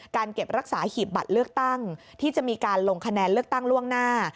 เก็บรักษาหีบบัตรเลือกตั้งที่จะมีการลงคะแนนเลือกตั้งล่วงหน้า